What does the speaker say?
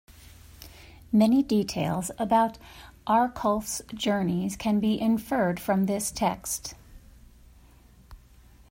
Many details about Arculf's journeys can be inferred from this text.